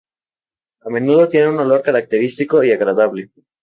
A menudo tienen un olor característico y agradable.